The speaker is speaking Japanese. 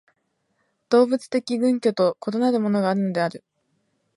動物的群居と異なるものがあるのである。